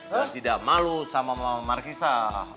biar tidak malu sama mama margisa